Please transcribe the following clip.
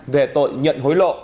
về tội nhận hối lộ